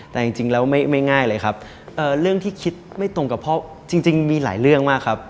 แต่จริงแล้วไม่ง่ายเลยครับเรื่องที่คิดไม่ตรงกับพ่อจริงมีหลายเรื่องมากครับ